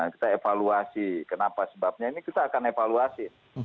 kita evaluasi kenapa sebabnya ini kita akan evaluasi